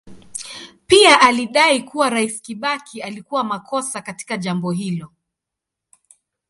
Pia alidai kuwa Rais Kibaki alikuwa makosa katika jambo hilo.